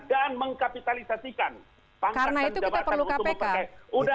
dan mengkapitalisasikan pangkatan jawabannya untuk memperkuat